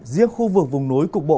riêng khu vực vùng núi cục bộ